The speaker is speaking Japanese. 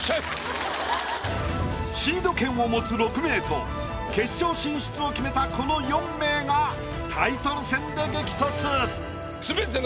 シード権を持つ６名と決勝進出を決めたこの４名がタイトル戦で激突！